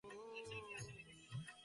আচ্ছা, উনি কিন্তু আসলেই দেখতে সুপুরুষ।